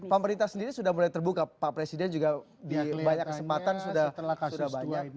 pemerintah sendiri sudah mulai terbuka pak presiden juga di banyak kesempatan sudah banyak